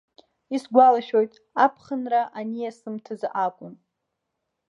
Исгәалашәоит, аԥхынра аниасымҭазы акәын.